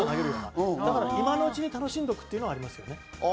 だから今のうちに楽しんでおくっていうのはありますね。